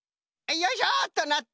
よいしょとなっと。